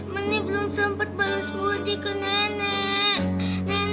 mene belum sempat balas muntik ke nenek